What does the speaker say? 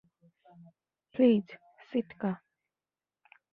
Please, সিটকা।